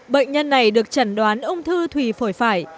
bệnh nhân này được chẩn đoán ung thư thủy phổi phải